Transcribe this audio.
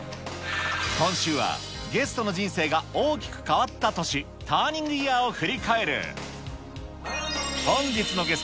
今週は、ゲストの人生が大きく変わった年、ターニングイヤーを振り返る。